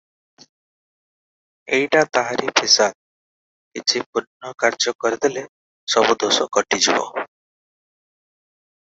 ଏଇଟା ତାହାରି ଫିସାଦ, କିଛି ପୁଣ୍ୟ କାର୍ଯ୍ୟ କରିଦେଲେ ସବୁ ଦୋଷ କଟିଯିବ ।